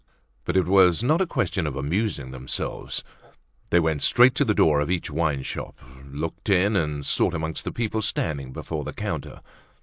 But it was not a question of amusing themselves. They went straight to the door of each wineshop, looked in and sought amongst the people standing before the counter.